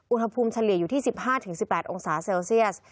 อุณหภูมิเฉลี่ยอยู่ที่๑๕๑๘องศาเซลเซียส